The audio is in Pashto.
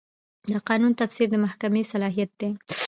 د قانون تفسیر د محکمې صلاحیت دی.